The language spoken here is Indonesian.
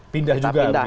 pindah juga begitu ya